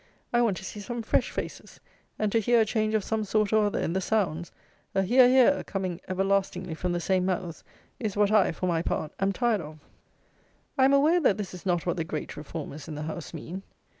I want to see some fresh faces, and to hear a change of some sort or other in the sounds. A "hear, hear," coming everlastingly from the same mouths, is what I, for my part, am tired of. I am aware that this is not what the "great reformers" in the House mean.